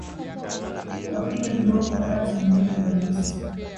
kuwapiga viboko Wakati mwingine polisi